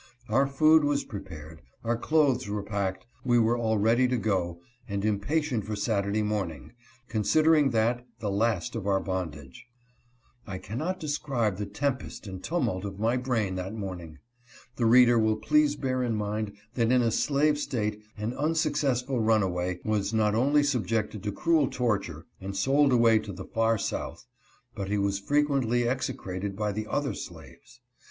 Our food was prepared, our clothes were packed ; we were already to go, and impatient for Satur day morning — considering that the last of our bondage. I cannot describe the tempest and tumult of my brain that morning. The reader will please bear in mind that in a slave State an unsuccessful runaway was not only subjected to cruel torture, and sold away to the far South, but he was frequently execrated by the other slaves.